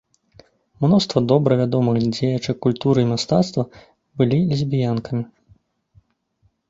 Мноства добра вядомых дзяячак культуры і мастацтва былі лесбіянкамі.